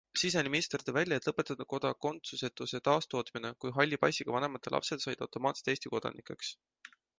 Siseminister tõi välja, et lõpetatud on kodakondsusetuse taastootmine, kui halli passiga vanemate lapsed said automaatselt Eesti kodanikeks.